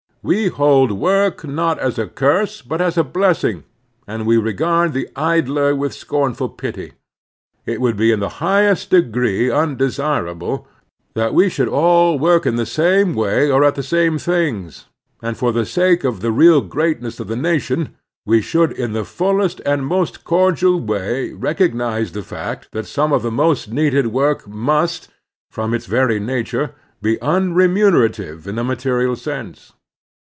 We hold work not as a curse but as a blessing, and we regard the idler with scornful pity. It would be in the highest degree undesirable that we should all work m the same way or at the same things, and for the sake of the real greatness of the nation we should in the fullest and most cor dial way recognize the fact that some of the most needed work must, from its very nature, be un remunerative in a material sense.